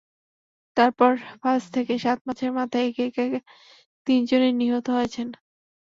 তারপর পাঁচ থেকে সাত মাসের মাথায় একে একে তিনজনই নিহত হয়েছেন।